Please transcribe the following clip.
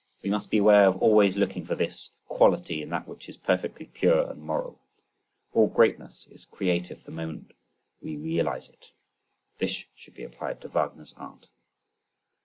We must beware of always looking for this quality in that which is perfectly pure and moral. All greatness is creative the moment we realise it." This should be applied to Wagner's art.